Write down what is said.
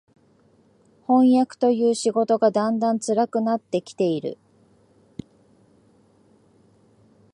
飜訳という仕事がだんだん辛くなって来ている